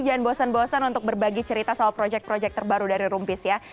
jangan bosan bosan untuk berbagi cerita soal projek projek terbaru dari room peace ya